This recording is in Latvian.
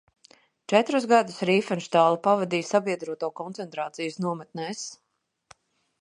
Četrus gadus Rīfenštāle pavadīja sabiedroto koncentrācijas nometnēs.